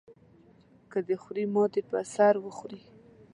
که دی خوري ما دې هم په سر وخوري.